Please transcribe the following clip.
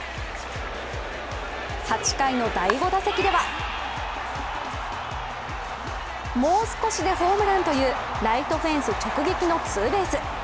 ８回の第５打席ではもう少しでホームランというライトフェンス直撃のツーベース。